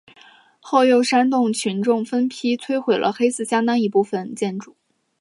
后又煽动群众分批拆毁了黑寺相当一部分建筑。